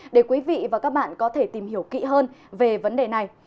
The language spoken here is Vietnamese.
để quý vị và các bạn có thể tìm hiểu kỹ hơn về vấn đề này